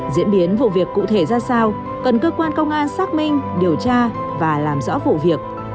diễn biến vụ việc cụ thể ra sao cần cơ quan công an xác minh điều tra và làm rõ vụ việc